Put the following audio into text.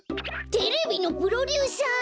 テレビのプロデューサー？